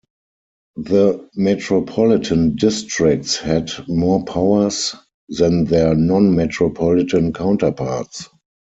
The metropolitan districts had more powers than their non-metropolitan counterparts.